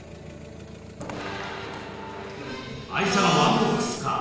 愛車のワンボックスカー